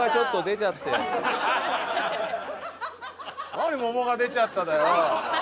何「桃が出ちゃった」だよ！